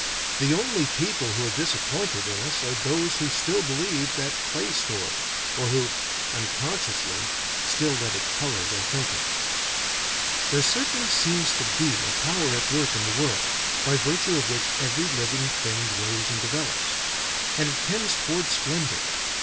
The only people who are disappointed in us are those who still believe that clay story. Or who unconsciously still let it color their thinking. There certainly seems to be a power at work in the world, by virtue of which every living thing grows and develops. And it tends toward splendor.